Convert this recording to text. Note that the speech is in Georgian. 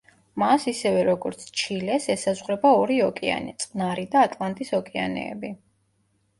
მას ისევე როგორც ჩილეს ესაზღვრება ორი ოკეანე: წყნარი, და ატლანტის ოკეანეები.